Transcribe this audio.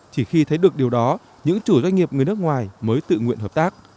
chỉ khi thấy được điều đó những chủ doanh nghiệp người nước ngoài mới tự nguyện hợp tác